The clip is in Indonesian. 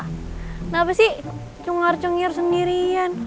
kenapa sih cungar cungir sendirian